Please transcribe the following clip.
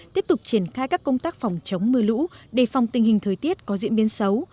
tiếp tục triển khai các công tác phòng chống mưa lũ đề phòng tình hình thời tiết có diễn biến xấu